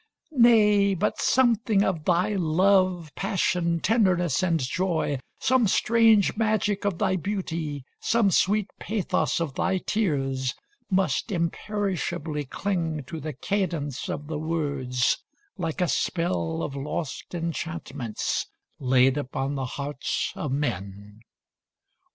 20 Nay, but something of thy love, Passion, tenderness, and joy, Some strange magic of thy beauty, Some sweet pathos of thy tears, Must imperishably cling 25 To the cadence of the words, Like a spell of lost enchantments Laid upon the hearts of men.